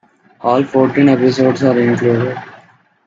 All fourteen episodes are included.